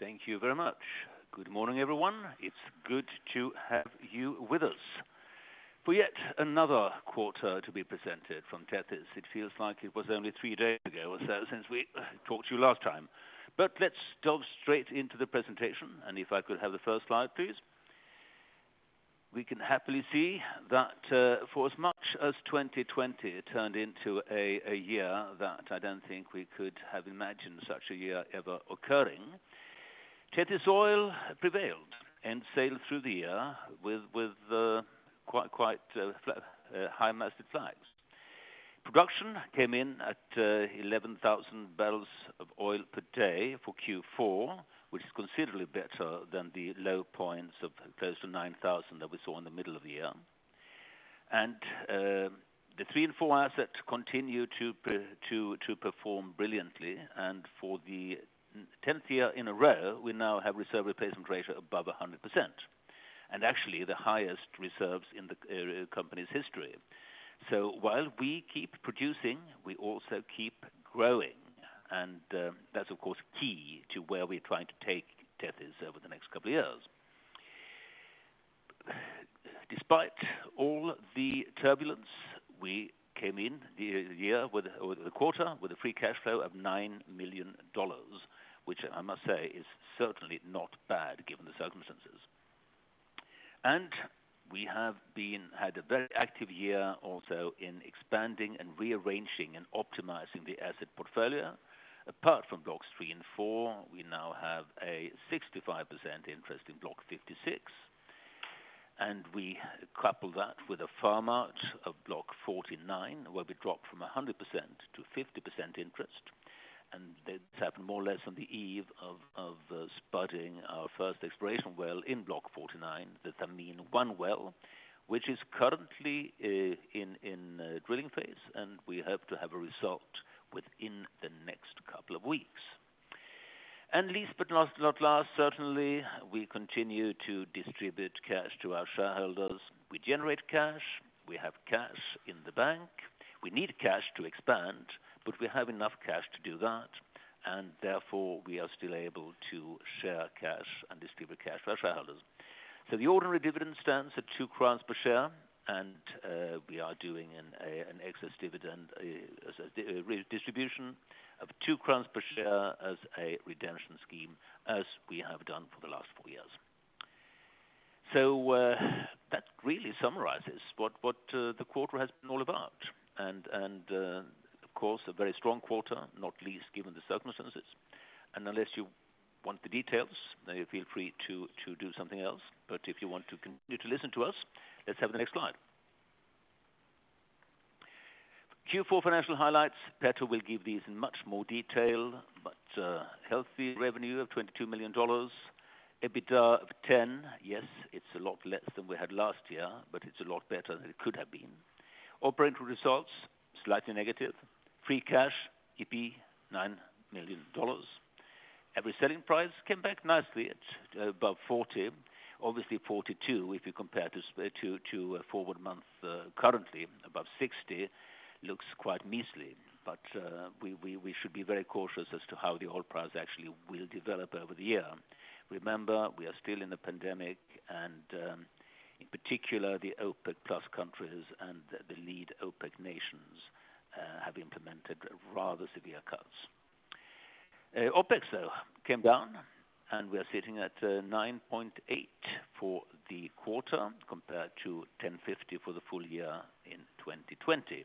Thank you very much. Good morning, everyone. It is good to have you with us for yet another quarter to be presented from Tethys. It feels like it was only three days ago or so since we talked to you last time. Let's dive straight into the presentation, and if I could have the first slide, please. We can happily see that for as much as 2020 turned into a year that I don't think we could have imagined such a year ever occurring, Tethys Oil prevailed and sailed through the year with quite high mast flags. Production came in at 11,000 barrels of oil per day for Q4, which is considerably better than the low points of close to 9,000 that we saw in the middle of the year. The Blocks 3 and 4 assets continue to perform brilliantly. For the 10th year in a row, we now have reserve replacement ratio above 100%. Actually, the highest reserves in the company's history. While we keep producing, we also keep growing. That's of course, key to where we're trying to take Tethys over the next couple of years. Despite all the turbulence, we came in the quarter with a free cash flow of $9 million, which I must say is certainly not bad given the circumstances. We have had a very active year also in expanding and rearranging and optimizing the asset portfolio. Apart from Blocks 3 and 4, we now have a 65% interest in Block 56, and we couple that with a farmout of Block 49, where we dropped from 100% to 50% interest. This happened more or less on the eve of spudding our first exploration well in Block 49, the Thameen-1 well, which is currently in drilling phase. We hope to have a result within the next couple of weeks. Last but not least, certainly, we continue to distribute cash to our shareholders. We generate cash. We have cash in the bank. We need cash to expand, but we have enough cash to do that, and therefore, we are still able to share cash and distribute cash to our shareholders. The ordinary dividend stands at 2 crowns per share. We are doing an excess dividend distribution of 2 crowns per share as a redemption scheme as we have done for the last four years. That really summarizes what the quarter has been all about. Of course, a very strong quarter, not least given the circumstances. Unless you want the details, now you feel free to do something else. If you want to continue to listen to us, let's have the next slide. Q4 financial highlights. Petter will give these in much more detail, healthy revenue of $22 million. EBITDA of $10 million. It's a lot less than we had last year but it's a lot better than it could have been. Operating results, slightly negative. Free cash, $9 million. Average selling price came back nicely at above $40. Obviously, $42 if you compare this to a forward month currently above $60, looks quite measly, we should be very cautious as to how the oil price actually will develop over the year. We are still in a pandemic, in particular, the OPEC+ countries and the lead OPEC nations have implemented rather severe cuts. OpEx, though, came down. We're sitting at $9.8/bbl for the quarter compared to $10.50/bbl for the full year in 2020.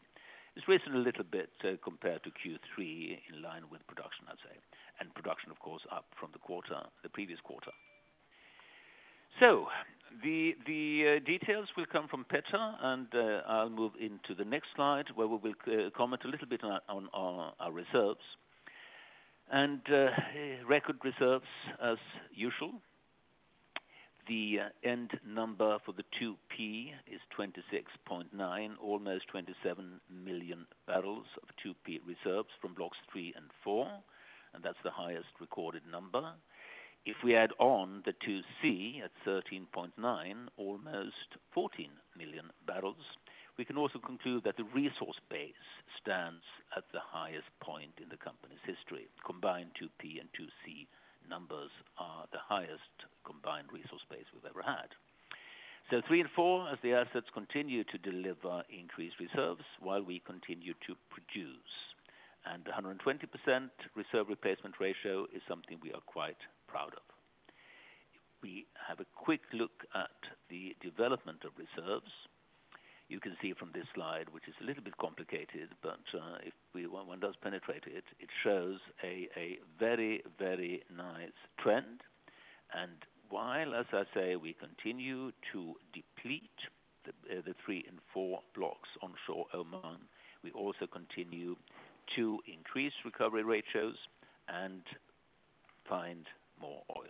It's risen a little bit compared to Q3 in line with production, I'd say. Production, of course, up from the previous quarter. The details will come from Petter. I'll move into the next slide where we will comment a little bit on our reserves. Record reserves as usual. The end number for the 2P is 26.9 million, almost 27 million barrels of 2P reserves from Blocks 3 and 4. That's the highest recorded number. If we add on the 2C at 13.9 million, almost 14 million barrels, we can also conclude that the resource base stands at the highest point in the company's history. Combined 2P and 2C numbers are the highest combined resource base we've ever had. Blocks 3 and 4 as the assets continue to deliver increased reserves while we continue to produce. 120% reserve replacement ratio is something we are quite proud of. We have a quick look at the development of reserves. You can see from this slide, which is a little bit complicated, but if one does penetrate it shows a very nice trend. While, as I say, we continue to deplete the Blocks 3 and 4 onshore Oman, we also continue to increase recovery ratios and find more oil.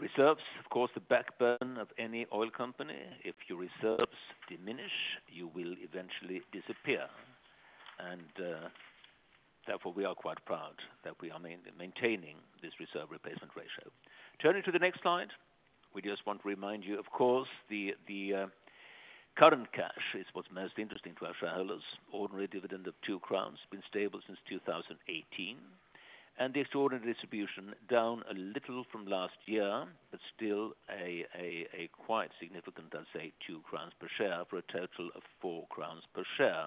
Reserves, of course, the backbone of any oil company. If your reserves diminish, you will eventually disappear. Therefore, we are quite proud that we are maintaining this reserve replacement ratio. Turning to the next slide. We just want to remind you, of course, current cash is what's most interesting to our shareholders. Ordinary dividend of 2 crowns, been stable since 2018, and the extraordinary distribution down a little from last year, but still a quite significant, I'd say, 2 crowns per share for a total of 4 crowns per share.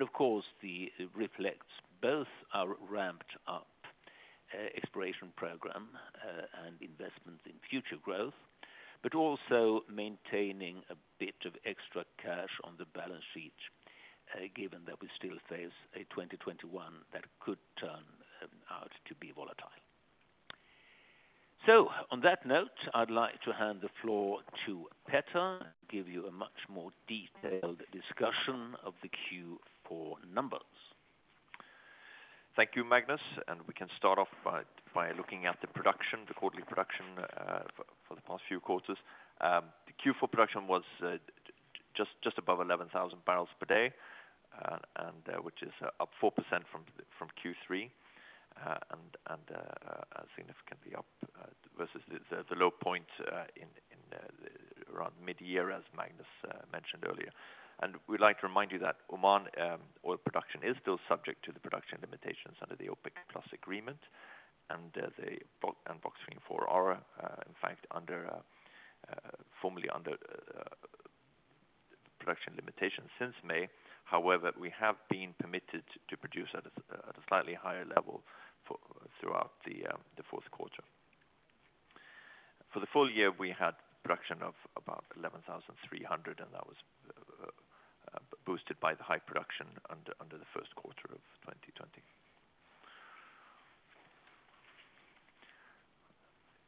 Of course, it reflects both our ramped-up exploration program and investments in future growth, but also maintaining a bit of extra cash on the balance sheet, given that we still face a 2021 that could turn out to be volatile. On that note, I'd like to hand the floor to Petter to give you a much more detailed discussion of the Q4 numbers. Thank you, Magnus. We can start off by looking at the production, the quarterly production for the past few quarters. The Q4 production was just above 11,000 barrels per day, which is up 4% from Q3, and significantly up versus the low point around mid-year, as Magnus mentioned earlier. We'd like to remind you that Oman oil production is still subject to the production limitations under the OPEC+ agreement, and Blocks 3 and 4 are, in fact, formally under production limitations since May. However, we have been permitted to produce at a slightly higher level throughout the fourth quarter. For the full year, we had production of about 11,300, and that was boosted by the high production under the first quarter of 2020.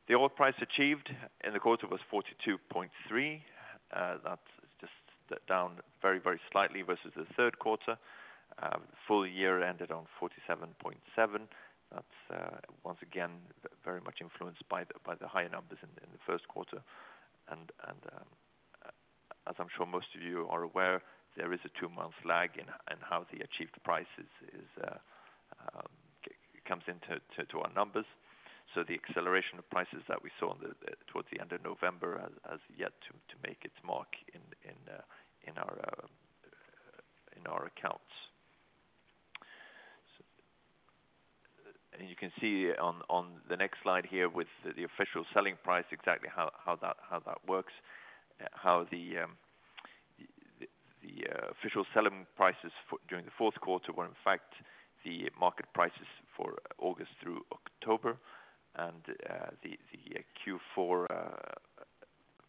The oil price achieved in the quarter was $42.3. That is just down very slightly versus the third quarter. Full year ended on $47.7. That's, once again, very much influenced by the higher numbers in the first quarter. As I'm sure most of you are aware, there is a two-month lag in how the achieved price comes into our numbers. The acceleration of prices that we saw towards the end of November has yet to make its mark in our accounts. You can see on the next slide here with the official selling price, exactly how that works, how the official selling prices during the fourth quarter were, in fact, the market prices for August through October. The Q4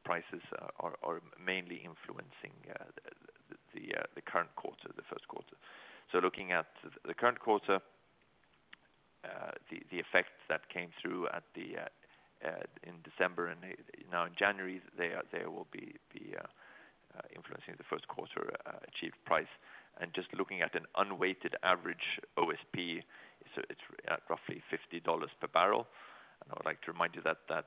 prices are mainly influencing the current quarter, the first quarter. Looking at the current quarter, the effects that came through in December and now in January, they will be influencing the first quarter achieved price. Just looking at an unweighted average OSP, it's roughly $50 per barrel. I would like to remind you that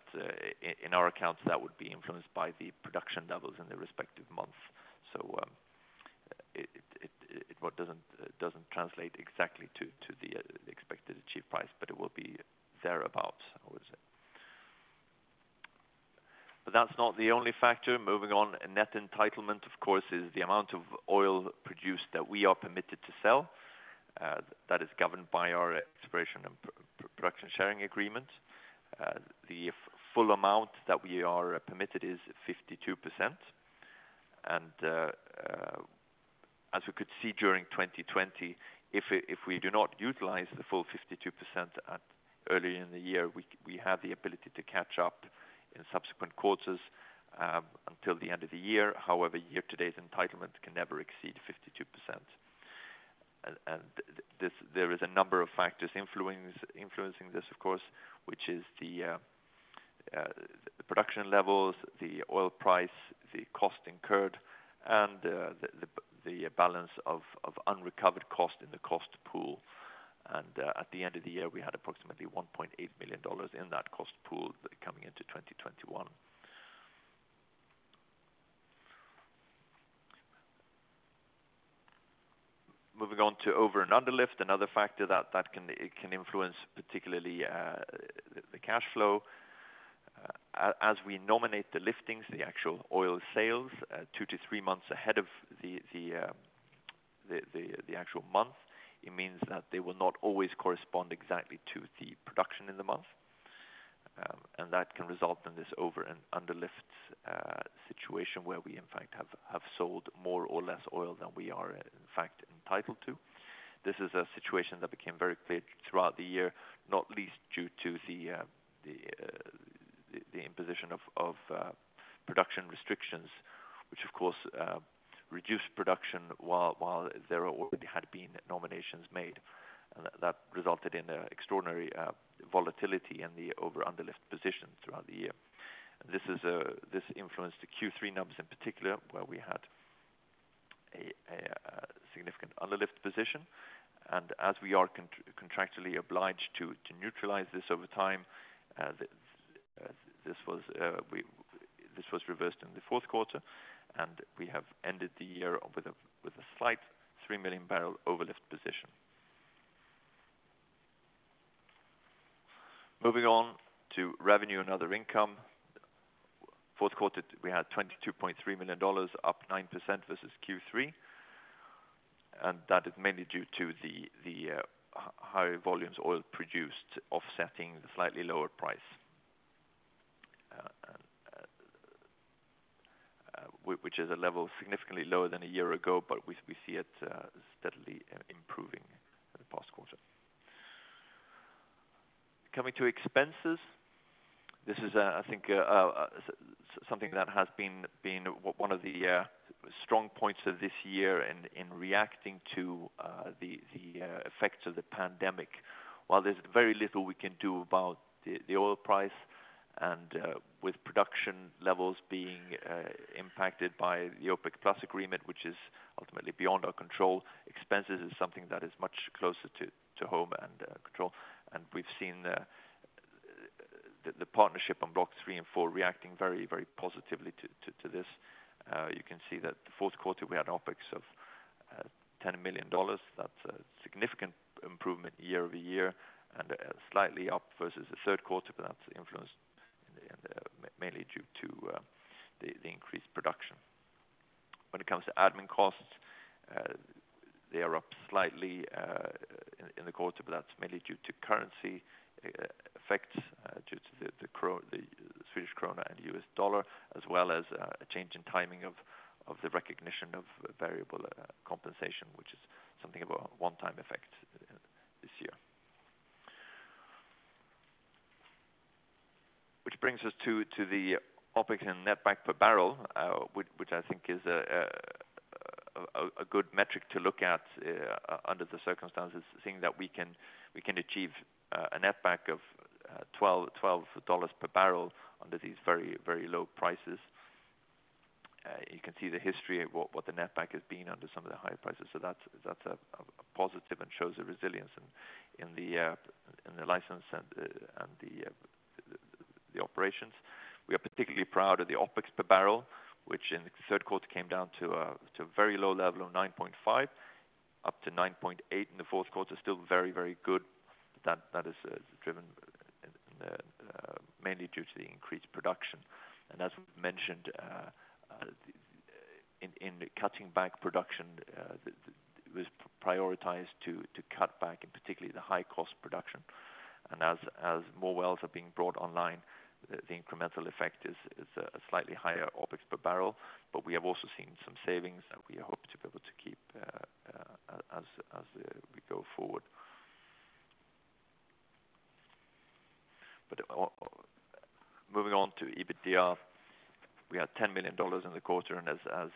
in our accounts, that would be influenced by the production levels in the respective months. It doesn't translate exactly to the expected achieved price, but it will be thereabout, I would say. That's not the only factor. Moving on, net entitlement, of course, is the amount of oil produced that we are permitted to sell, that is governed by our exploration and production sharing agreement. The full amount that we are permitted is 52%. As we could see during 2020, if we do not utilize the full 52% early in the year, we have the ability to catch up in subsequent quarters, until the end of the year. However, year-to-date entitlement can never exceed 52%. There is a number of factors influencing this, of course, which is the production levels, the oil price, the cost incurred, and the balance of unrecovered cost in the cost pool. At the end of the year, we had approximately $1.8 million in that cost pool coming into 2021. Moving on to over and underlift, another factor that can influence particularly the cash flow. As we nominate the liftings, the actual oil sales, two to three months ahead of the actual month, it means that they will not always correspond exactly to the production in the month. That can result in this over and underlift situation where we in fact have sold more or less oil than we are in fact entitled to. This is a situation that became very clear throughout the year, not least due to the imposition of production restrictions, which of course reduced production while there already had been nominations made. That resulted in extraordinary volatility in the over/underlift position throughout the year. This influenced the Q3 numbers in particular, where we had a significant underlift position. As we are contractually obliged to neutralize this over time, this was reversed in the fourth quarter, and we have ended the year with a slight 3 million barrel overlift position. Moving on to revenue and other income. Fourth quarter, we had $22.3 million, up 9% versus Q3, and that is mainly due to the higher volumes oil produced offsetting the slightly lower price, which is a level significantly lower than a year ago, but we see it steadily improving in the past quarter. Coming to expenses, this is, I think, something that has been one of the strong points of this year in reacting to the effects of the pandemic. While there's very little we can do about the oil price, and with production levels being impacted by the OPEC+ agreement, which is ultimately beyond our control, expenses is something that is much closer to home and control, and we've seen the partnership on Blocks 3 and 4 reacting very, very positively to this. You can see that the fourth quarter, we had OpEx of $10 million. That's a significant improvement year-over-year and slightly up versus the third quarter, but that's influenced and mainly due to the increased production. When it comes to admin costs, they are up slightly in the quarter, that's mainly due to currency effects due to the Swedish krona and US dollar, as well as a change in timing of the recognition of variable compensation, which is something of a one-time effect this year. Which brings us to the OpEx and netback per barrel, which I think is a good metric to look at under the circumstances, seeing that we can achieve a netback of $12 per barrel under these very low prices. You can see the history of what the netback has been under some of the higher prices. That's a positive and shows the resilience in the license and the operations. We are particularly proud of the OpEx per barrel, which in the third quarter came down to a very low level of $9.5-$9.8 in the fourth quarter. Still very, very good. That is driven mainly due to the increased production. As mentioned, in cutting back production, it was prioritized to cut back in particularly the high-cost production. As more wells are being brought online, the incremental effect is a slightly higher OpEx per barrel. We have also seen some savings that we hope to be able to keep as we go forward. Moving on to EBITDA, we had $10 million in the quarter, as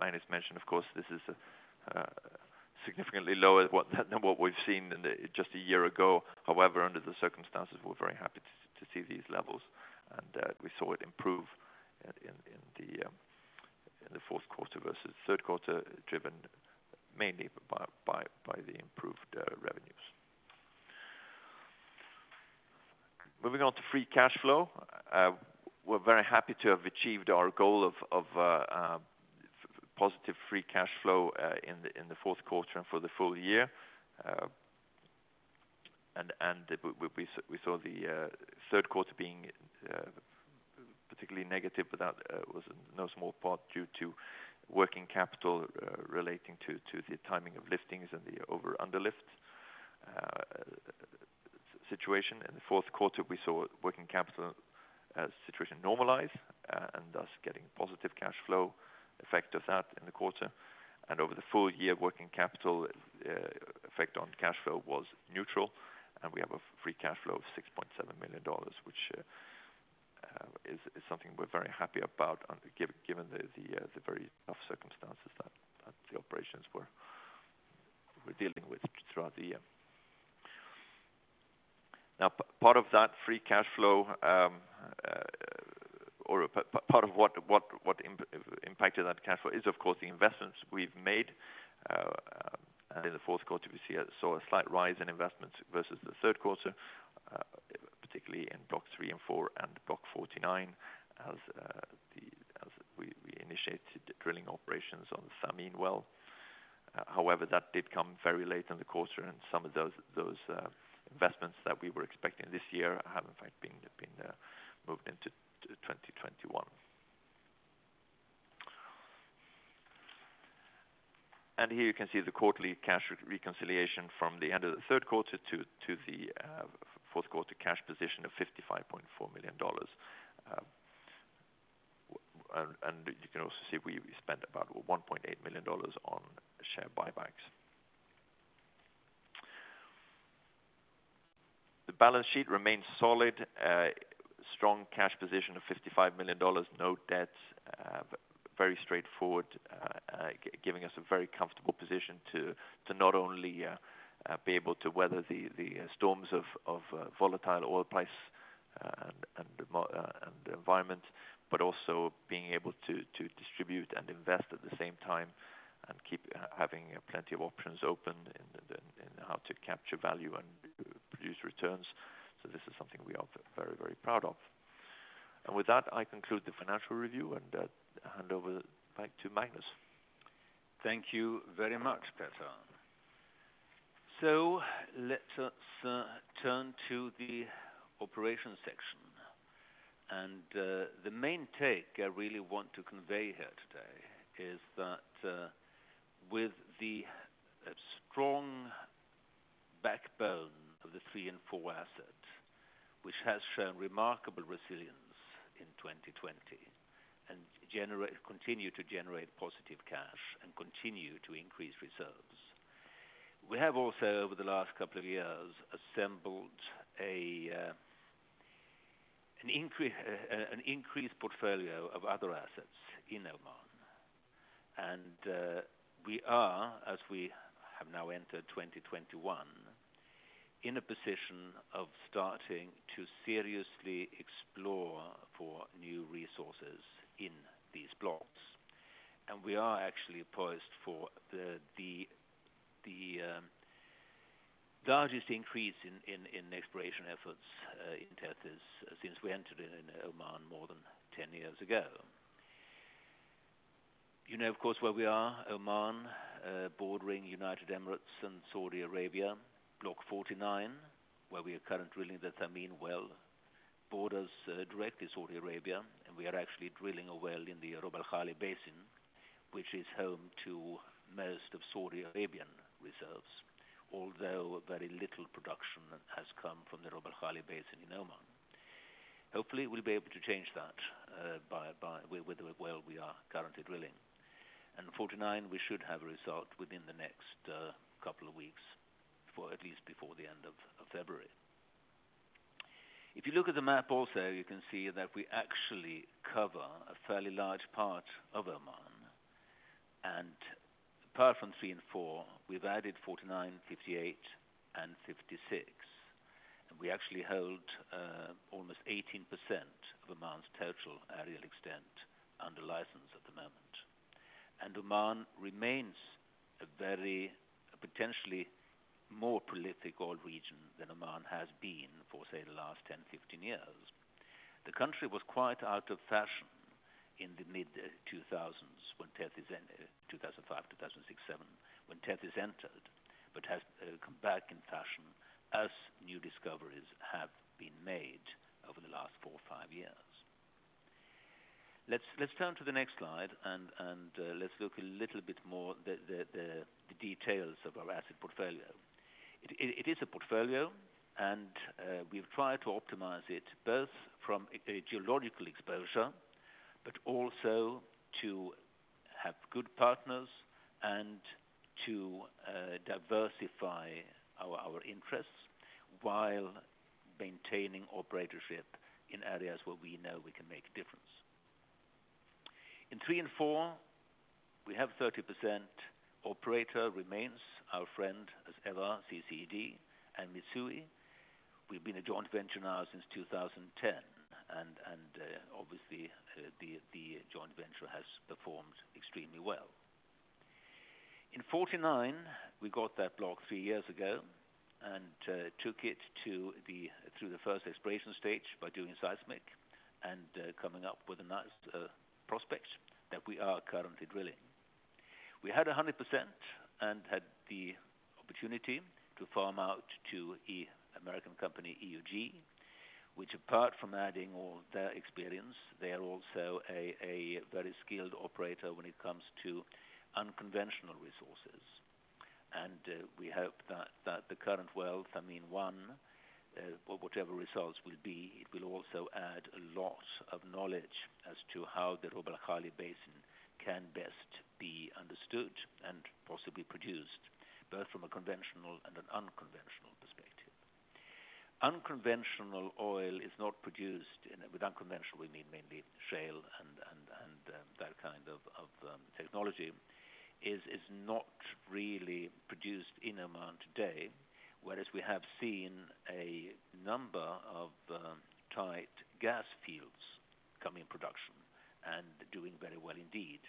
Magnus mentioned, of course, this is significantly lower than what we've seen just a year ago. However, under the circumstances, we're very happy to see these levels, and we saw it improve in the fourth quarter versus third quarter, driven mainly by the improved revenues. Moving on to free cash flow. We're very happy to have achieved our goal of positive free cash flow in the fourth quarter and for the full year. We saw the third quarter being particularly negative, but that was in no small part due to working capital relating to the timing of liftings and the over/underlift situation. In the fourth quarter, we saw working capital situation normalize and thus getting positive cash flow effect of that in the quarter. Over the full year, working capital effect on cash flow was neutral. We have a free cash flow of $6.7 million, which is something we're very happy about given the very tough circumstances that the operations were dealing with throughout the year. Part of that free cash flow, or part of what impacted that cash flow is, of course, the investments we've made. In the fourth quarter, we saw a slight rise in investments versus the third quarter, particularly in Blocks 3 and 4 and Block 49 as we initiated the drilling operations on the Thameen well. That did come very late in the quarter, and some of those investments that we were expecting this year have in fact been moved into 2021. Here you can see the quarterly cash reconciliation from the end of the third quarter to the fourth quarter cash position of $55.4 million. You can also see we spent about $1.8 million on share buybacks. The balance sheet remains solid. Strong cash position of $55 million. No debts. Very straightforward, giving us a very comfortable position to not only be able to weather the storms of volatile oil price and environment, but also being able to distribute and invest at the same time and keep having plenty of options open in how to capture value and produce returns. This is something we are very, very proud of. With that, I conclude the financial review and hand over back to Magnus. Thank you very much, Petter. Let us turn to the operations section. The main take I really want to convey here today is that with the strong backbone of the Blocks 3 and 4 assets, which has shown remarkable resilience in 2020, and continue to generate positive cash and continue to increase reserves. We have also, over the last couple of years, assembled an increased portfolio of other assets in Oman. We are, as we have now entered 2021, in a position of starting to seriously explore for new resources in these blocks. We are actually poised for the largest increase in exploration efforts in Tethys since we entered in Oman more than 10 years ago. You know, of course, where we are, Oman, bordering United Arab Emirates and Saudi Arabia, Block 49, where we are currently drilling the Thameen well, borders directly Saudi Arabia, we are actually drilling a well in the Rub'al Khali Basin, which is home to most of Saudi Arabian reserves. Although very little production has come from the Rub'al Khali Basin in Oman. Hopefully, we'll be able to change that with the well we are currently drilling. Block 49, we should have a result within the next couple of weeks, at least before the end of February. If you look at the map also, you can see that we actually cover a fairly large part of Oman. Apart from Blocks 3 and 4, we've added 49, 58, and 56. We actually hold almost 18% of Oman's total aerial extent under license at the moment. Oman remains a very potentially more prolific oil region than Oman has been for, say, the last 10, 15 years. The country was quite out of fashion in the mid-2000s, 2005, 2006, 2007, when Tethys entered. Has come back in fashion as new discoveries have been made over the last four or five years. Let's turn to the next slide, and let's look a little bit more at the details of our asset portfolio. It is a portfolio, and we've tried to optimize it both from a geological exposure, but also to have good partners and to diversify our interests while maintaining operatorship in areas where we know we can make a difference. In Blocks 3 and 4, we have 30% operator remains our friend, as ever, CCED and Mitsui. We've been a joint venture now since 2010, and obviously, the joint venture has performed extremely well. In 49, we got that block three years ago and took it through the first exploration stage by doing seismic and coming up with a nice prospect that we are currently drilling. We had 100% and had the opportunity to farmout to the American company, EOG, which apart from adding all their experience, they are also a very skilled operator when it comes to unconventional resources. We hope that the current well, Thameen-1, or whatever results will be, it will also add a lot of knowledge as to how the Rub'al Khali Basin can best be understood and possibly produced, both from a conventional and an unconventional perspective. Unconventional oil is not produced, with unconventional we mean mainly shale and that kind of technology, is not really produced in Oman today, whereas we have seen a number of tight gas fields come in production and doing very well indeed.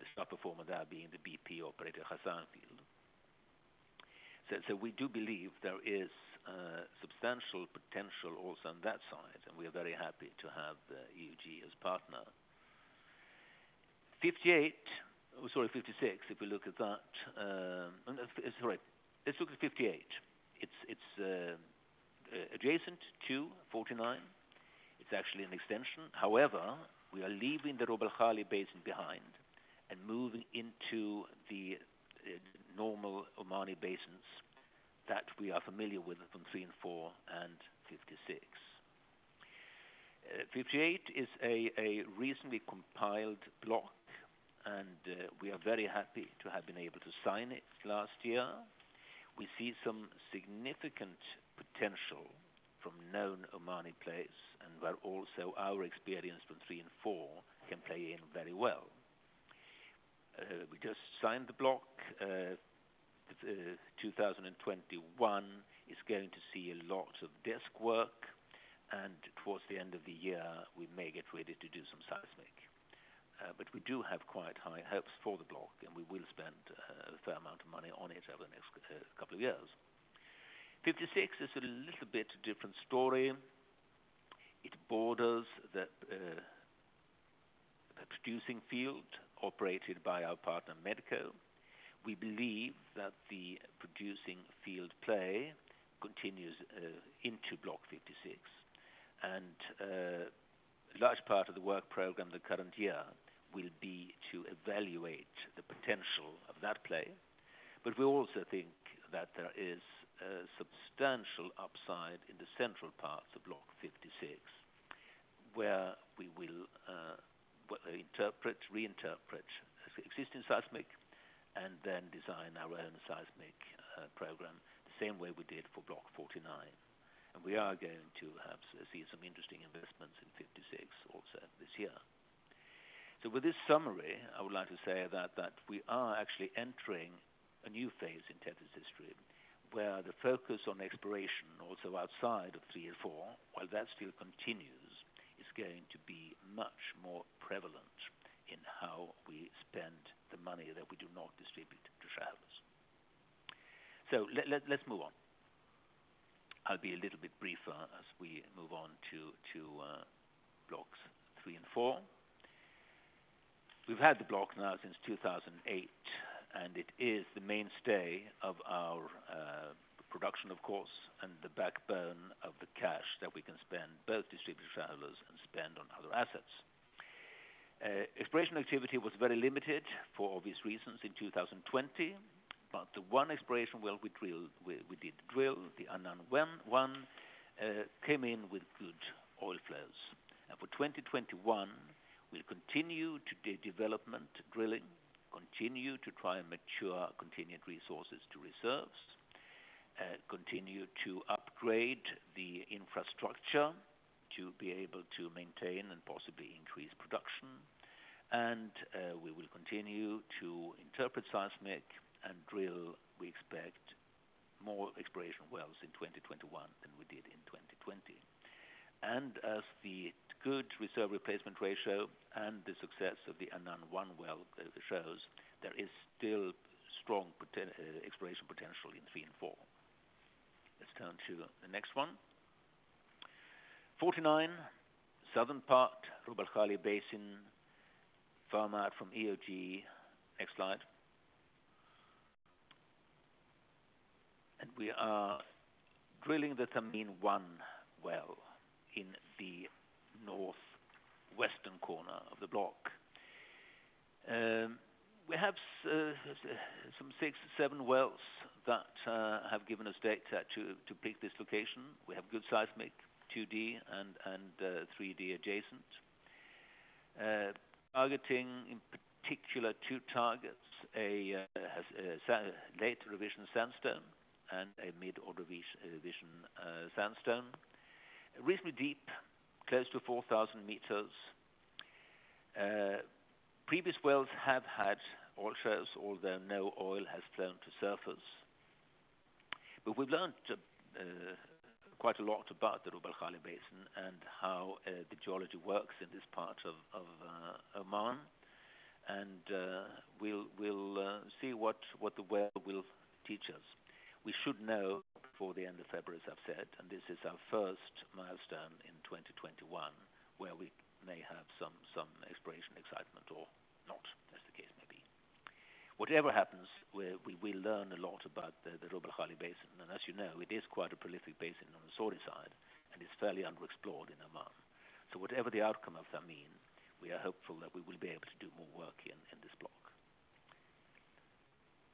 The star performer there being the BP-operated Khazzan field. We do believe there is substantial potential also on that side, and we are very happy to have EOG as partner. Block 58, I'm sorry, 56, if we look at that. Let's look at Block 58. It's adjacent to Block 49. It's actually an extension. However, we are leaving the Rub'al Khali Basin behind and moving into the normal Omani basins that we are familiar with from Blocks 3 and 4 and 56. Block 58 is a recently compiled block, and we are very happy to have been able to sign it last year. We see some significant potential from known Omani plays and where also our experience from Blocks 3 and 4 can play in very well. We just signed the block. 2021 is going to see a lot of desk work, and towards the end of the year, we may get ready to do some seismic. We do have quite high hopes for the block, and we will spend a fair amount of money on it over the next couple of years. Block 56 is a little bit different story. Borders the producing field operated by our partner Medco. We believe that the producing field play continues into Block 56, and a large part of the work program the current year will be to evaluate the potential of that play. We also think that there is a substantial upside in the central parts of Block 56, where we will interpret, reinterpret existing seismic, and then design our own seismic program the same way we did for Block 49. We are going to perhaps see some interesting investments in 56 also this year. With this summary, I would like to say that we are actually entering a new phase in Tethys history, where the focus on exploration also outside of Blocks 3 and 4, while that still continues, is going to be much more prevalent in how we spend the money that we do not distribute to shareholders. Let's move on. I'll be a little bit briefer as we move on to Blocks 3 and 4. We've had the block now since 2008, it is the mainstay of our production, of course, and the backbone of the cash that we can spend, both distribute to shareholders and spend on other assets. Exploration activity was very limited for obvious reasons in 2020, the one exploration well we did drill, the Anan-1 well, came in with good oil flows. For 2021, we'll continue to do development, drilling, continue to try and mature contingent resources to reserves, continue to upgrade the infrastructure to be able to maintain and possibly increase production. We will continue to interpret seismic and drill. We expect more exploration wells in 2021 than we did in 2020. As the good reserve replacement ratio and the success of the Anan-1 well shows, there is still strong exploration potential in Blocks 3 and 4. Let's turn to the next one. Block 49, southern part Rub'al Khali Basin, farmout from EOG. Next slide. We are drilling the Thameen-1 well in the northwestern corner of the block. We have some six, seven wells that have given us data to pick this location. We have good seismic 2D and 3D adjacent. Targeting in particular two targets, a Late Ordovician sandstone and a Mid-Ordovician sandstone. Reasonably deep, close to 4,000 meters. Previous wells have had oil shows, although no oil has flown to surface. We've learned quite a lot about the Rub'al Khali Basin and how the geology works in this part of Oman. We'll see what the well will teach us. We should know before the end of February, as I've said, and this is our first milestone in 2021, where we may have some exploration excitement or not, as the case may be. Whatever happens, we learn a lot about the Rub'al Khali Basin. As you know, it is quite a prolific basin on the Saudi side, and it's fairly underexplored in Oman. Whatever the outcome of Thameen, we are hopeful that we will be able to do more work in this block.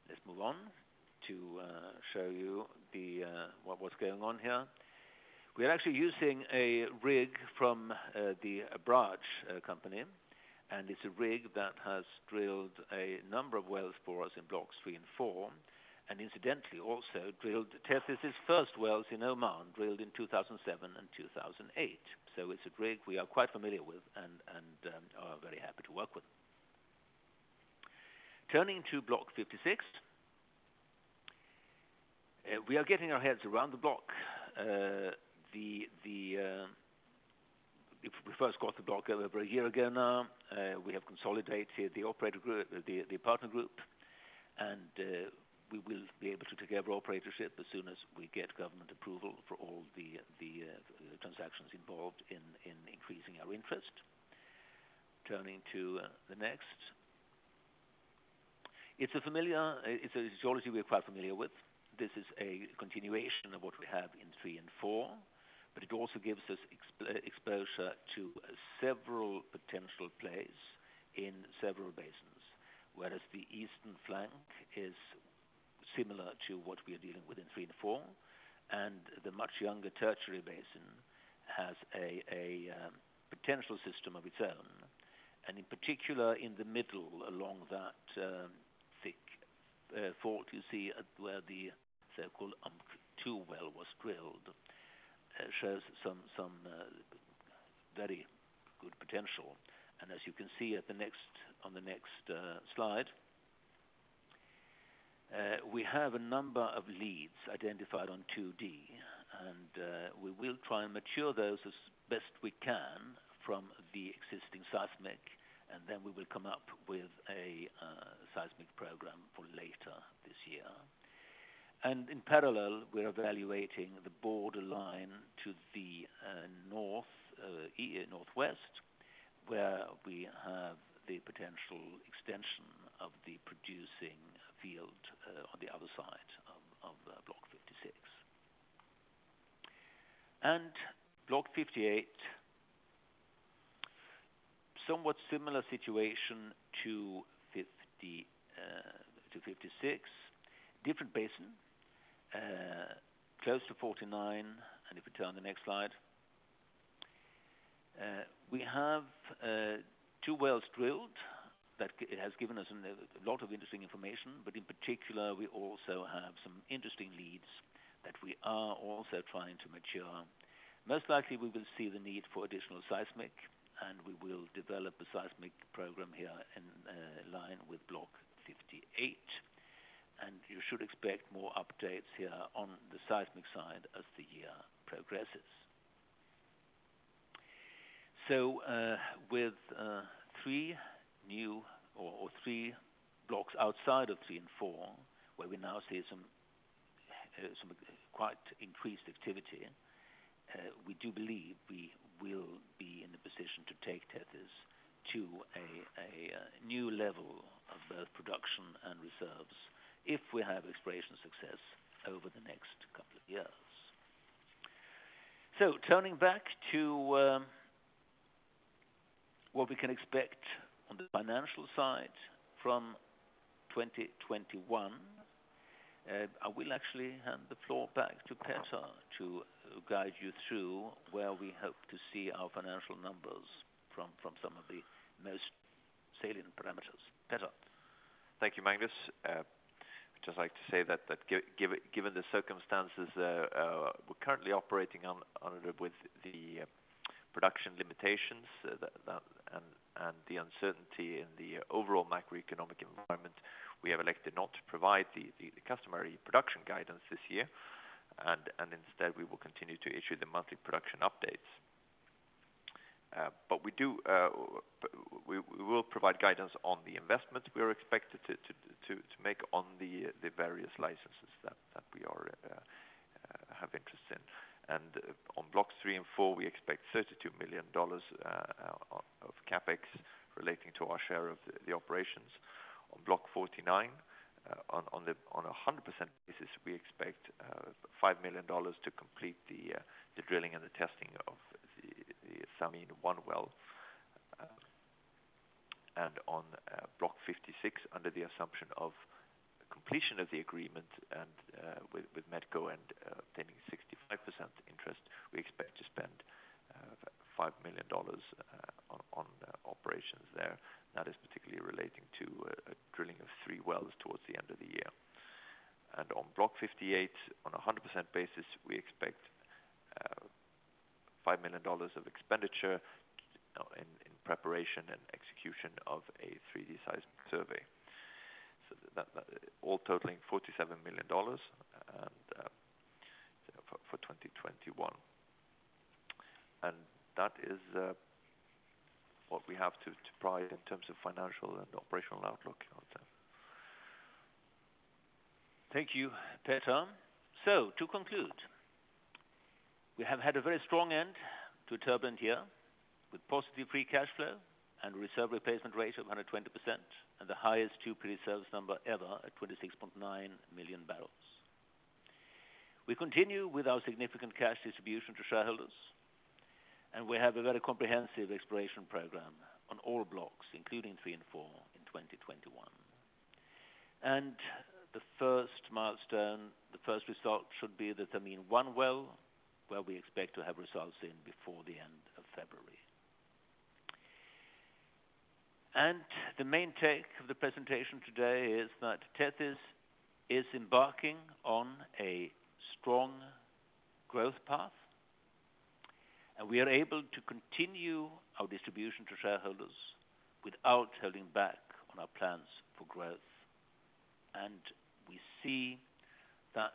Let's move on to show you what's going on here. We are actually using a rig from the Abraj company, and it's a rig that has drilled a number of wells for us in Blocks 3 and 4, and incidentally also drilled Tethys' first wells in Oman drilled in 2007 and 2008. It's a rig we are quite familiar with and are very happy to work with. Turning to Block 56. We are getting our heads around the block. We first got the block over one year ago now. We have consolidated the operator group, the partner group, and we will be able to take over operatorship as soon as we get government approval for all the transactions involved in increasing our interest. Turning to the next. It's a geology we're quite familiar with. This is a continuation of what we have in three and four, but it also gives us exposure to several potential plays in several basins. Whereas the Eastern Flank is similar to what we are dealing with in Blocks 3 and 4, and the much younger Tertiary Basin has a potential system of its own. And in particular, in the middle, along that thick fork, you see where the so-called Umq-2 well was drilled. It shows some very good potential. As you can see on the next slide, we have a number of leads identified on 2D, and we will try and mature those as best we can from the existing seismic, and then we will come up with a seismic program for later this year. In parallel, we're evaluating the borderline to the northwest, where we have the potential extension of the producing field on the other side of Block 56. Block 58, somewhat similar situation to 56. Different basin, close to 49. If we turn the next slide. We have two wells drilled that has given us a lot of interesting information. In particular, we also have some interesting leads that we are also trying to mature. Most likely, we will see the need for additional seismic, and we will develop a seismic program here in line with Block 58. You should expect more updates here on the seismic side as the year progresses. With three blocks outside of Blocks 3 and 4, where we now see some quite increased activity, we do believe we will be in a position to take Tethys to a new level of both production and reserves if we have exploration success over the next couple of years. Turning back to what we can expect on the financial side from 2021. I will actually hand the floor back to Petter to guide you through where we hope to see our financial numbers from some of the most salient parameters. Petter? Thank you, Magnus. I'd just like to say that given the circumstances, we're currently operating on with the production limitations and the uncertainty in the overall macroeconomic environment. We have elected not to provide the customary production guidance this year. Instead, we will continue to issue the monthly production updates. We will provide guidance on the investment we are expected to make on the various licenses that we have interest in. On Blocks 3 and 4, we expect $32 million of CapEx relating to our share of the operations. On Block 49, on 100% basis, we expect $5 million to complete the drilling and the testing of the Thameen-1 well. On Block 56, under the assumption of completion of the agreement with Medco and obtaining 65% interest, we expect to spend $5 million on operations there. That is particularly relating to drilling of three wells towards the end of the year. On Block 58, on 100% basis, we expect $5 million of expenditure in preparation and execution of a 3D seismic survey. That all totaling $47 million for 2021. That is what we have to provide in terms of financial and operational outlook on that. Thank you, Petter. To conclude, we have had a very strong end to a turbulent year, with positive free cash flow and reserve replacement rate of 120%, and the highest 2P reserves number ever at 26.9 million barrels. We continue with our significant cash distribution to shareholders. We have a very comprehensive exploration program on all Blocks 3 and 4 in 2021. The first milestone, the first result should be the Thameen-1 well, where we expect to have results in before the end of February. The main take of the presentation today is that Tethys is embarking on a strong growth path, and we are able to continue our distribution to shareholders without holding back on our plans for growth. We see that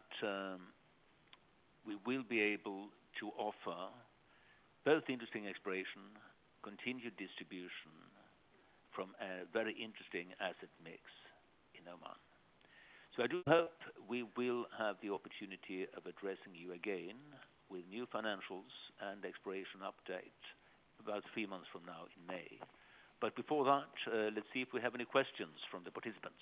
we will be able to offer both interesting exploration, continued distribution from a very interesting asset mix in Oman. I do hope we will have the opportunity of addressing you again with new financials and exploration update about three months from now in May. Before that, let's see if we have any questions from the participants.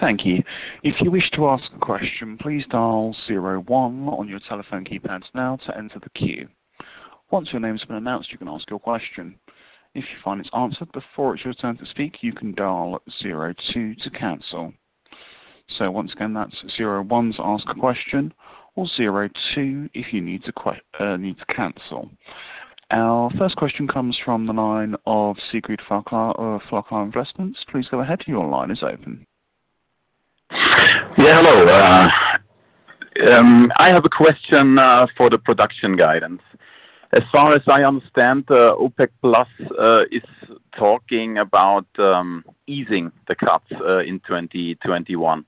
Thank you. If you wish to ask a question, please dial zero one on your telephone keypads now to enter the queue. Once your name has been announced, you can ask your question. If you find it's answered before it's your turn to speak, you can dial zero two to cancel. Once again, that's zero one to ask a question or zero two if you need to cancel. Our first question comes from the line of [Siegfried Flachare] of [Flachare Investments]. Please go ahead, your line is open. Hello. I have a question for the production guidance. As far as I understand, OPEC+ is talking about easing the cuts in 2021.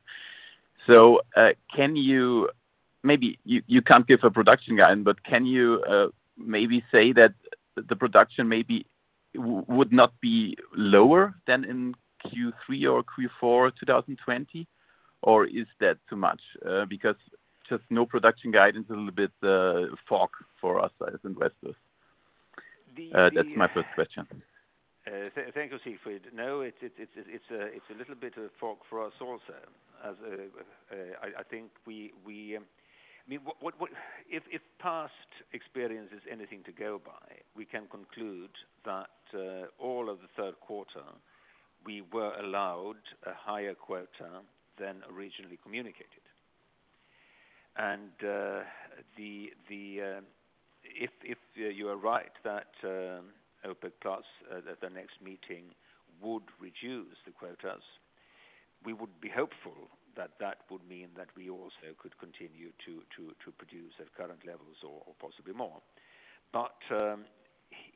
Maybe you can't give a production guide, but can you maybe say that the production maybe would not be lower than in Q3 or Q4 2020? Or is that too much, because just no production guidance, a little bit fog for us as investors. That's my first question. Thank you, Siegfried. No, it's a little bit of fog for us also. If past experience is anything to go by, we can conclude that all of the third quarter, we were allowed a higher quota than originally communicated. If you are right that OPEC+ at the next meeting would reduce the quotas, we would be hopeful that would mean that we also could continue to produce at current levels or possibly more.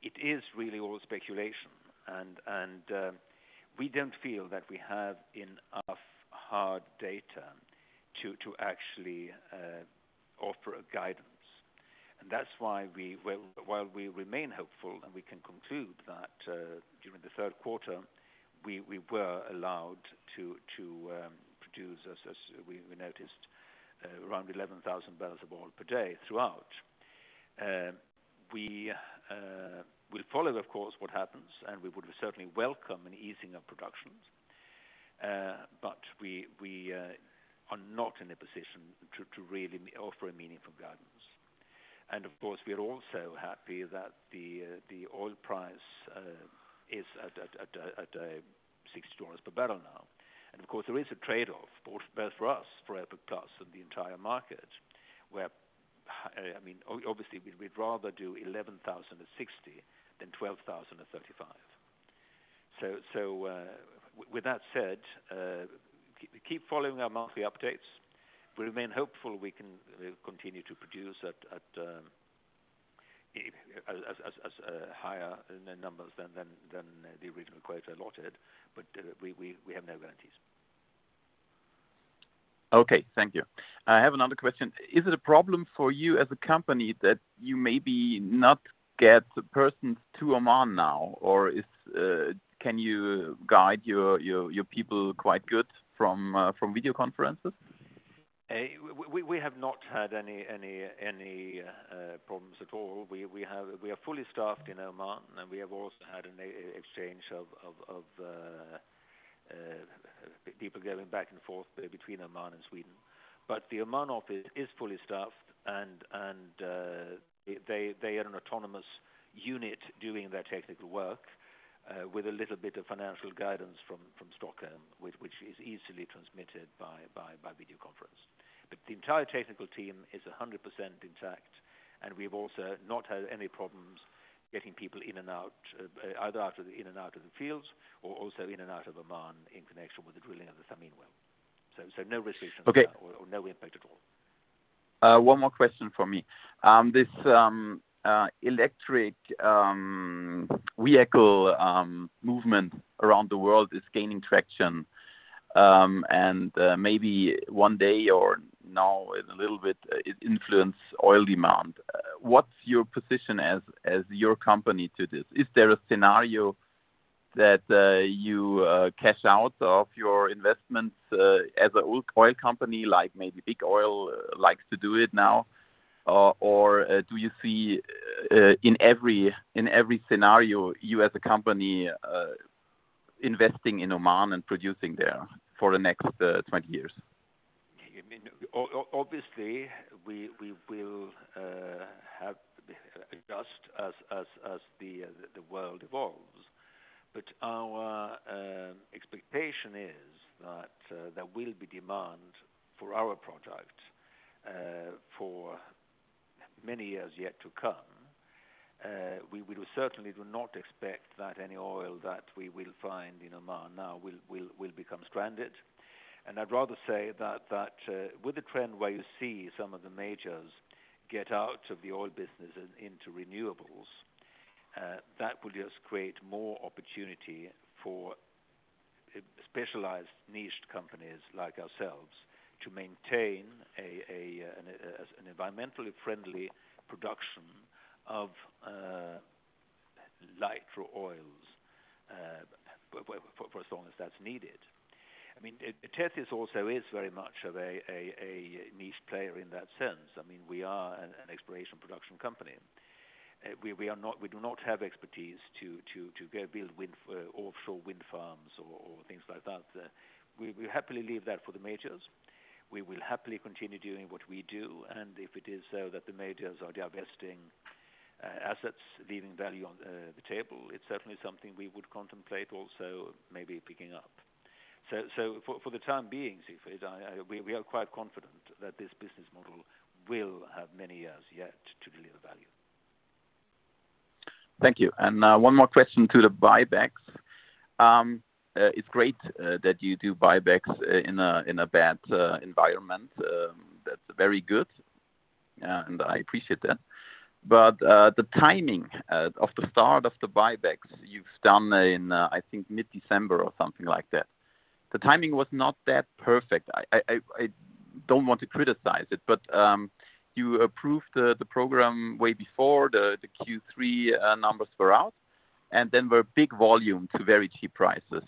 It is really all speculation, and we don't feel that we have enough hard data to actually offer a guidance. That's why while we remain hopeful and we can conclude that during the third quarter, we were allowed to produce as we noticed, around 11,000 barrels of oil per day throughout. We'll follow, of course, what happens, and we would certainly welcome an easing of productions. We are not in a position to really offer a meaningful guidance. Of course, we are also happy that the oil price is at $60 per barrel now. Of course, there is a trade-off both for us, for OPEC+ and the entire market, where obviously we'd rather do 11,000 at $60 than 12,000 at $35. With that said, keep following our monthly updates. We remain hopeful we can continue to produce at higher numbers than the original quota allotted, but we have no guarantees. Okay. Thank you. I have another question. Is it a problem for you as a company that you maybe not get the persons to Oman now? Can you guide your people quite good from video conferences? We have not had any problems at all. We are fully staffed in Oman, and we have also had an exchange of people going back and forth between Oman and Sweden. The Oman office is fully staffed, and they are an autonomous unit doing their technical work with a little bit of financial guidance from Stockholm, which is easily transmitted by video conference. The entire technical team is 100% intact, and we've also not had any problems getting people in and out, either in and out of the fields or also in and out of Oman in connection with the drilling of the Thameen well. No restrictions. Okay No impact at all. One more question from me. This electric vehicle movement around the world is gaining traction, maybe one day or now it a little bit influence oil demand. What's your position as your company to this? Is there a scenario that you cash out of your investments as an oil company, like maybe big oil likes to do it now? Do you see in every scenario, you as a company investing in Oman and producing there for the next 20 years? Obviously, we will adjust as the world evolves, but our expectation is that there will be demand for our product for many years yet to come. We certainly do not expect that any oil that we will find in Oman now will become stranded. I'd rather say that with the trend where you see some of the majors get out of the oil business and into renewables, that will just create more opportunity for specialized niched companies like ourselves to maintain an environmentally friendly production of lighter oils for as long as that's needed. Tethys also is very much of a niche player in that sense. We are an exploration production company. We do not have expertise to go build offshore wind farms or things like that. We happily leave that for the majors. We will happily continue doing what we do, if it is so that the majors are divesting assets, leaving value on the table, it's certainly something we would contemplate also maybe picking up. For the time being, Siegfried, we are quite confident that this business model will have many years yet to deliver value. Thank you. One more question to the buybacks. It's great that you do buybacks in a bad environment. That's very good. I appreciate that. The timing of the start of the buybacks you've done in, I think, mid-December or something like that. The timing was not that perfect. I don't want to criticize it, you approved the program way before the Q3 numbers were out, then were big volume to very cheap prices,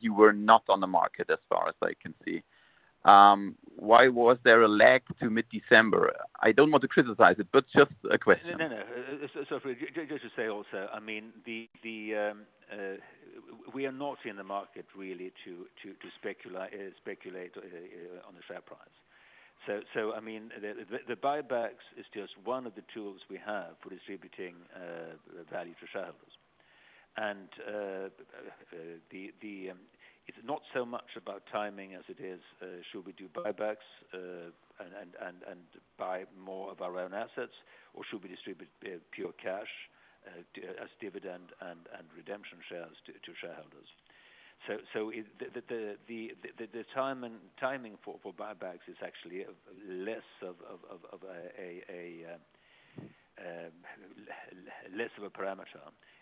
you were not on the market as far as I can see. Why was there a lag to mid-December? I don't want to criticize it, just a question. No. Just to say also, we are not in the market really to speculate on the share price. The buybacks is just one of the tools we have for distributing value to shareholders. It's not so much about timing as it is should we do buybacks and buy more of our own assets, or should we distribute pure cash as dividend and redemption shares to shareholders. The timing for buybacks is actually less of a parameter.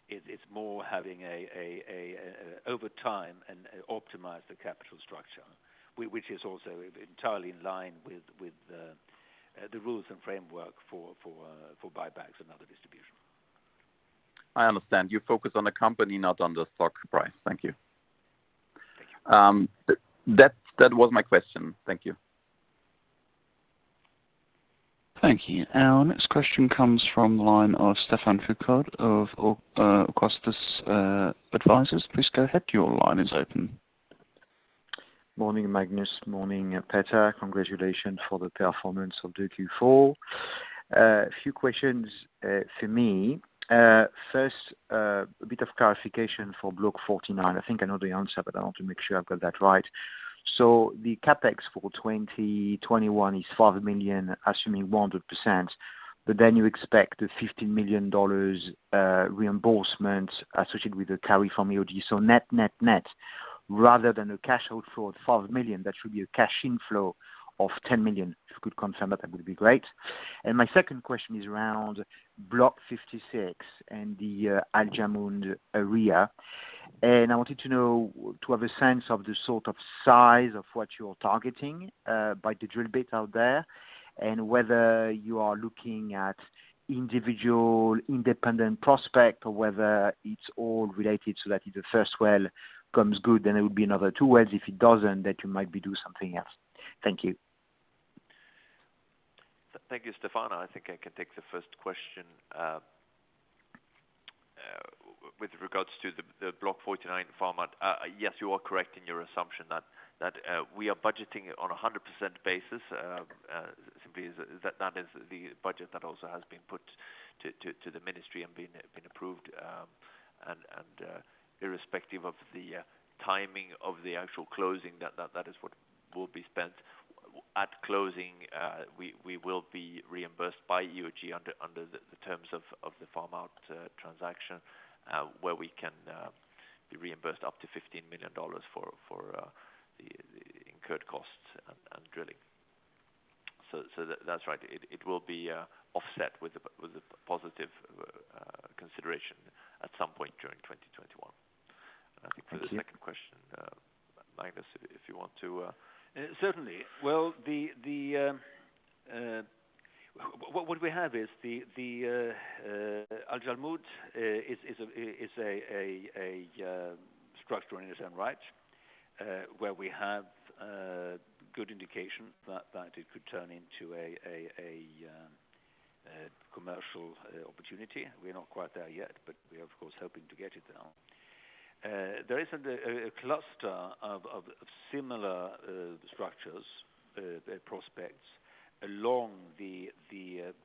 It's more having a overtime and optimize the capital structure, which is also entirely in line with the rules and framework for buybacks and other distribution. I understand. You focus on the company, not on the stock price. Thank you. Thank you. That was my question. Thank you. Thank you. Our next question comes from the line of Stephane Foucaud of Auctus Advisors. Please go ahead. Morning, Magnus. Morning, Petter. Congratulations for the performance of the Q4. A few questions for me. First, a bit of clarification for Block 49. I think I know the answer, but I want to make sure I've got that right. The CapEx for 2021 is $5 million, assuming 100%, but then you expect the $15 million reimbursement associated with the carry from EOG. Net-net-net, rather than a cash outflow of $5 million, that should be a cash inflow of $10 million. If you could confirm that would be great. My second question is around Block 56 and the Al Jumd area. I wanted to know to have a sense of the sort of size of what you're targeting by the drill bit out there, and whether you are looking at individual independent prospect or whether it's all related so that if the first well comes good, then there will be another two wells. If it doesn't, then you might be doing something else. Thank you. Thank you, Stephane. I think I can take the first question with regards to the Block 49 farmout. Yes, you are correct in your assumption that we are budgeting it on 100% basis. Simply is that is the budget that also has been put to the ministry and been approved. Irrespective of the timing of the actual closing, that is what will be spent. At closing, we will be reimbursed by EOG under the terms of the farmout transaction, where we can be reimbursed up to $15 million for the incurred costs and drilling. That's right. It will be offset with a positive consideration at some point during 2021. Thank you. I think for the second question, Magnus, if you want to. Certainly. What we have is the Al Jumd is a structure in its own right, where we have good indication that it could turn into a commercial opportunity. We're not quite there yet, but we are, of course, hoping to get it there. There isn't a cluster of similar structures, prospects along the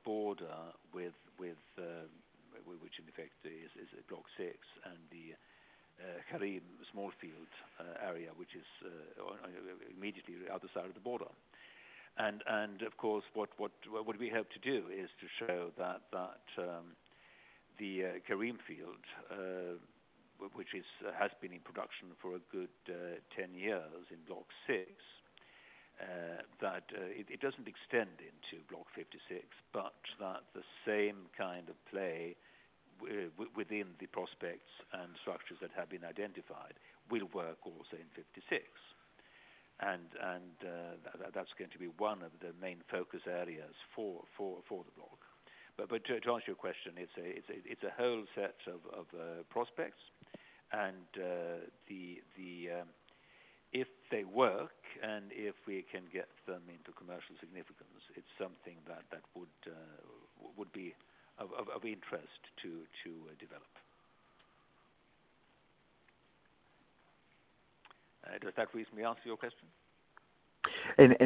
border which in effect is Block 6 and the Karim Small Field area, which is immediately the other side of the border. Of course, what we have to do is to show that the Karim field, which has been in production for a good 10 years in Block 6, that it doesn't extend into Block 56, but that the same kind of play within the prospects and structures that have been identified will work also in 56. That's going to be one of the main focus areas for the block. To answer your question, it's a whole set of prospects and if they work and if we can get them into commercial significance, it's something that would be of interest to develop. Does that, at least, may I answer your question?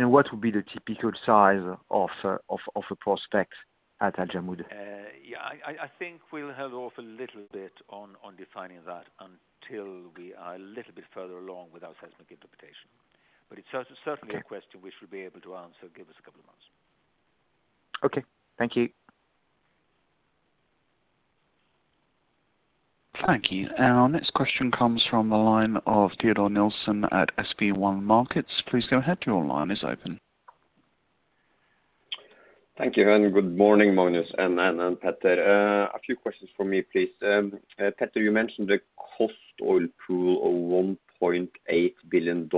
What would be the typical size of a prospect at Al Jumd? I think we'll hold off a little bit on defining that until we are a little bit further along with our seismic interpretation. It's certainly a question we should be able to answer. Give us a couple of months. Okay. Thank you. Thank you. Our next question comes from the line of Teodor Nilsen at SB1 Markets. Please go ahead. Your line is open. Thank you, good morning, Magnus and Petter. A few questions from me, please. Petter, you mentioned the cost oil pool of $1.8 million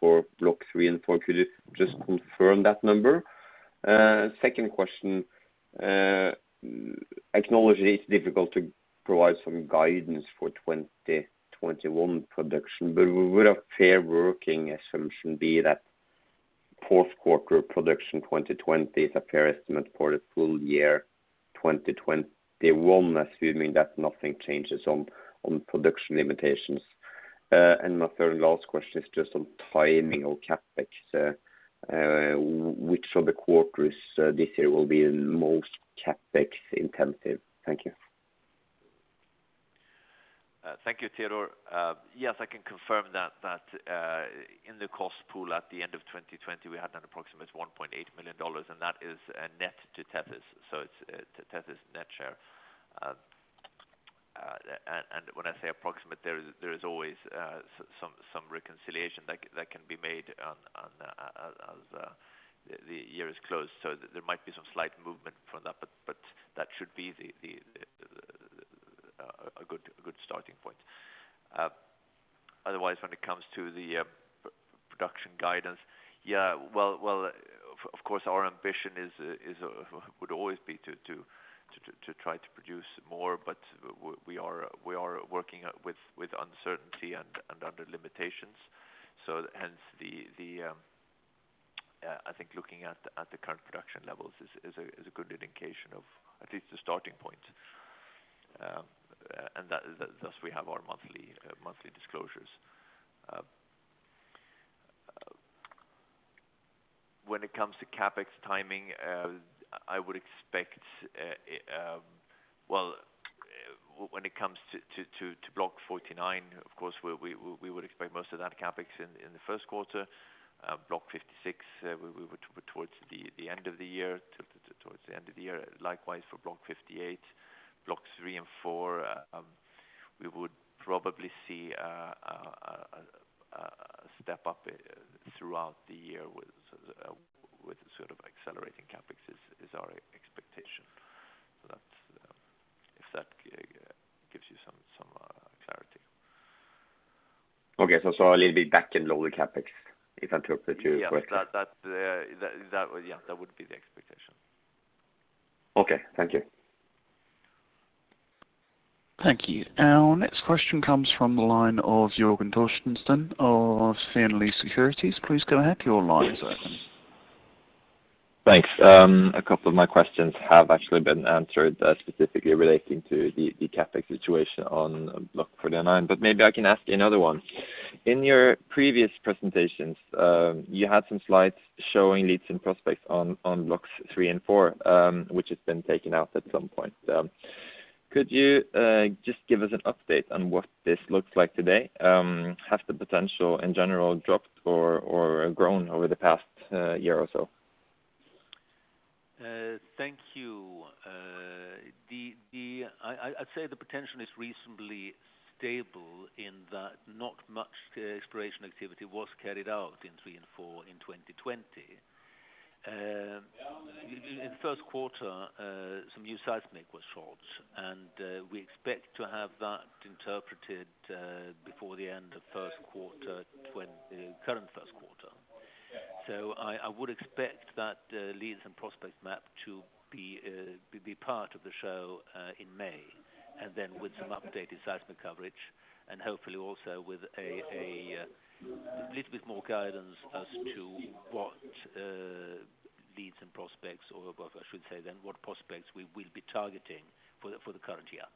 for Blocks 3 and 4. Could you just confirm that number? Second question, I acknowledge it is difficult to provide some guidance for 2021 production, but would a fair working assumption be that fourth quarter production 2020 is a fair estimate for the full year 2021, assuming that nothing changes on production limitations? My third and last question is just on timing of CapEx. Which of the quarters this year will be most CapEx-intensive? Thank you. Thank you, Teodor. Yes, I can confirm that in the cost pool at the end of 2020, we had an approximate $1.8 million, and that is net to Tethys, so it's Tethys' net share. When I say approximate, there is always some reconciliation that can be made as the year is closed. There might be some slight movement from that, but that should be a good starting point. Otherwise, when it comes to the production guidance, well, of course, our ambition would always be to try to produce more, but we are working with uncertainty and under limitations. Hence, I think looking at the current production levels is a good indication of at least a starting point. Thus, we have our monthly disclosures. When it comes to CapEx timing, when it comes to Block 49, of course, we would expect most of that CapEx in the first quarter. Block 56, towards the end of the year. Likewise for Block 58. Blocks 3 and 4, we would probably see a step-up throughout the year with sort of accelerating CapEx is our expectation. If that gives you some clarity. Okay. I saw a little bit back-end load CapEx. Yeah. That would be the expectation. Okay. Thank you. Thank you. Our next question comes from the line of Jørgen Torstensen of Fearnley Securities. Please go ahead. Your line is open. Thanks. A couple of my questions have actually been answered, specifically relating to the CapEx situation on Block 49. Maybe I can ask another one. In your previous presentations, you had some slides showing leads and prospects on Blocks 3 and 4, which has been taken out at some point. Could you just give us an update on what this looks like today? Has the potential in general dropped or grown over the past year or so? Thank you. I'd say the potential is reasonably stable in that not much exploration activity was carried out in three and four in 2020. In the first quarter, some new seismic was shot, and we expect to have that interpreted before the end of the current first quarter. I would expect that leads and prospects map to be part of the show in May. Then with some updated seismic coverage, and hopefully also with a little bit more guidance as to what leads and prospects, or I should say then, what prospects we will be targeting for the current year.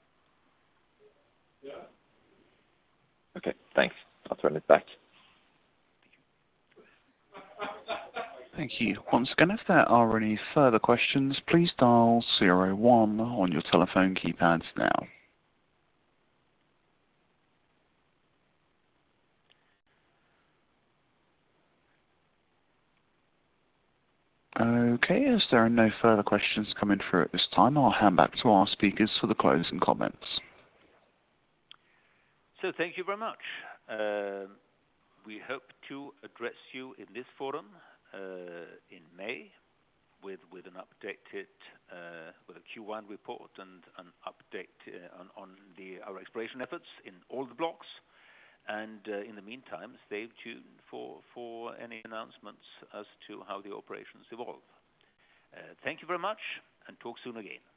Okay, thanks. I'll turn it back. Thank you. Once again, if there are any further questions, please dial zero one on your telephone keypads now. Okay. As there are no further questions coming through at this time, I'll hand back to our speakers for the closing comments. Thank you very much. We hope to address you in this forum in May with a Q1 report and an update on our exploration efforts in all the blocks. In the meantime, stay tuned for any announcements as to how the operations evolve. Thank you very much and talk soon again.